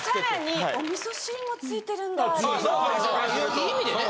良い意味でね。